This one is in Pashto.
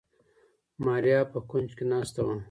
ماريا په کونج کې ناسته وه.